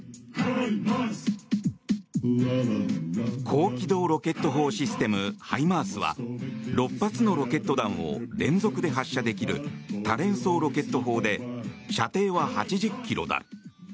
高機動ロケット砲システムハイマースは６発のロケット弾を連続で発射できる多連装ロケット砲で射程は８０ｋｍだ。